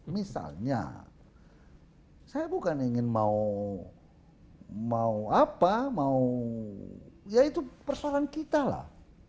misalnya saya bukan ingin mau apa mau ya itu persoalan kita lah